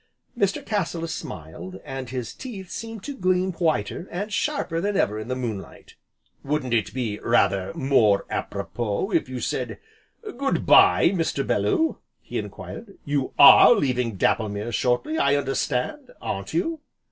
Mr. Cassilis smiled, and his teeth seemed to gleam whiter, and sharper than ever in the moon light: "Wouldn't it be rather more apropos if you said 'Good bye' Mr. Bellew?" he enquired. "You are leaving Dapplemere, shortly, I understand, aren't you?"